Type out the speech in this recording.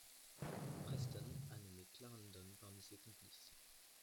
Preston a nommé Clarendon parmi ses complices.